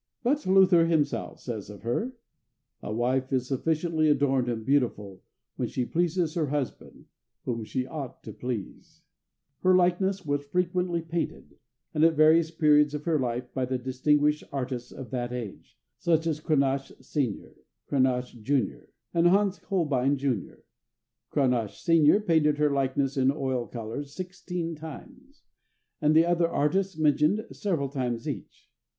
But Luther himself says of her, "A wife is sufficiently adorned and beautiful when she pleases her husband, whom she ought to please." Her likeness was frequently painted, and at various periods of her life, by the distinguished artists of that age, such as Cranach, senior, Cranach, junior, and Hans Holbein, junior. Cranach, senior, painted her likeness in oil colors sixteen times, and the other artists mentioned, several times each.